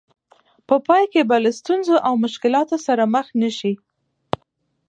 په پای کې به له ستونزو او مشکلاتو سره مخ نه شئ.